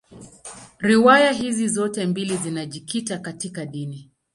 Riwaya hizi zote mbili zinajikita katika dini.